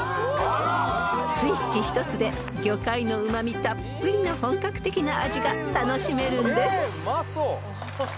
［スイッチ一つで魚介のうま味たっぷりの本格的な味が楽しめるんです］